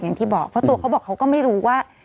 อย่างที่บอกเพราะตัวเขาบอกเขาก็ไม่รู้ว่า